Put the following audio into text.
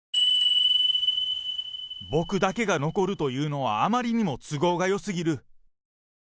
僕だけが残るというのはあまりにも都合がよすぎる。